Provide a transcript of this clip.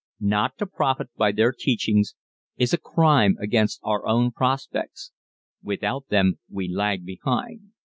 Not to profit by their teachings is a crime against our own prospects without them we lag behind.